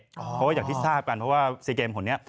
เพราะว่าอย่างที่ทราบกันเพราะว่า๔เกมคนนี้